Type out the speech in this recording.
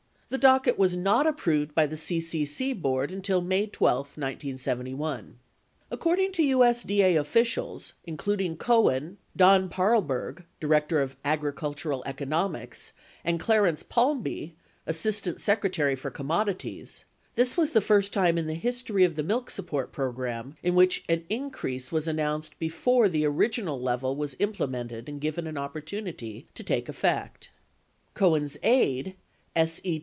The docket was not approved by the CCC Board until May 12, 1971. According to US I)A. officials, includ ing Cohen, Don Paarlberg (Director of Agricultural Economics) , and Clarence Palmby (Assistant Secretary for Commodities), this was the first time in the history of the milk support program in which an increase was announced before the original level was implemented and given an opportunity to take effect. 19 Cohen's aide, S.E.